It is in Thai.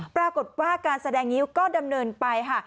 ปรากฏว่าการแสดงงิ้วก็ดำเนินไปค่ะ